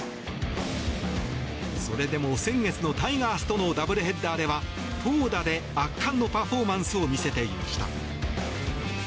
それでも先月のタイガースとのダブルヘッダーでは投打で圧巻のパフォーマンスを見せていました。